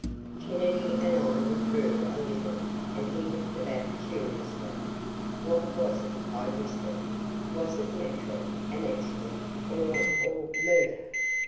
Kennedy and I withdrew a little way and he looked about curiously. "What was it?" I whispered. "Was it natural, an accident, or or murder?"